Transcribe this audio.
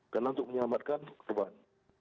karena untuk menyelamatkan korban